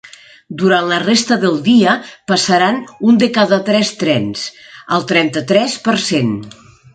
Durant la resta del dia passaran un de cada tres trens, el trenta-tres per cent.